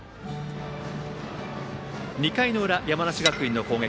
２回の裏、山梨学院の攻撃。